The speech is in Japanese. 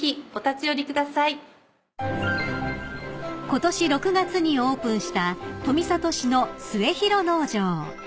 ［ことし６月にオープンした富里市の末廣農場］